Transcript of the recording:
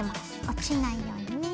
落ちないようにね。